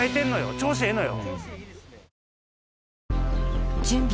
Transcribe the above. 調子ええのよ。